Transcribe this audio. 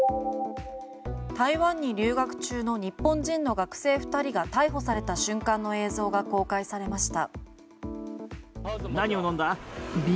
台湾に留学中の日本人の学生２人が逮捕された瞬間の映像が公開されました。